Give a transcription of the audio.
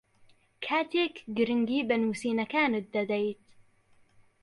کاتێک گرنگی بە نووسینەکانت دەدەیت